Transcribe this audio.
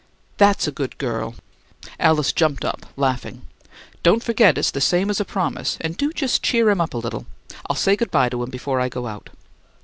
"That's a good girl!" Alice jumped up, laughing. "Don't forget it's the same as a promise, and do just cheer him up a little. I'll say good bye to him before I go out."